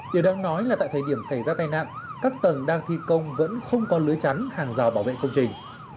điều đáng nói là tại thời điểm xảy ra tai nạn các tầng đang thi công vẫn không có lưới chắn hàng rào bảo vệ công trình